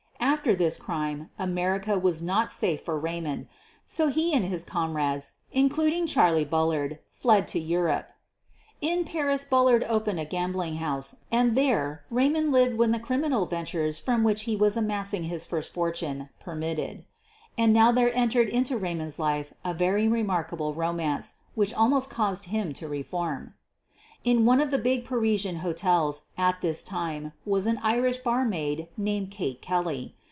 After this crime America was not safe for Raymond, so he, and his comrades, including Charley Bullard, fled to Europe. In Paris Bullard opened a gambling house, and there Raymond lived when the criminal ventures 44 SOPHIE LYONS from which he was amassing his first fortune per mitted. And now there entered into Raymond's life a very remarkable romance, which almost caused him to reform. In one of the big Parisian hotels at this time was an Irish barmaid named Kate Kelley.